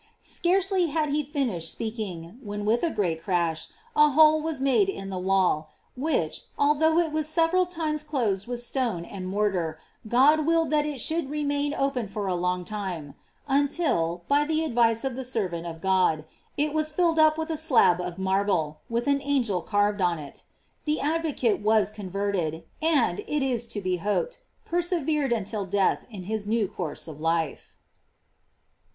Scarcely had he finished speaking, when, with a great crash, a hole was made in the wall, which, although it was several times closed with stone and mortar, God willed that it should remain open for a long time; un til, by the advice of the servant of God, it was filled up with a slab of marble, with an angel carved on it. The advocate was converted, and, it is to be hoped, persevered until death in his new course of life.